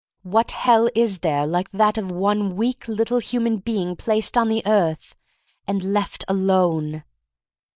What hell is there like that of one weak little human being placed on the earth — and left alone?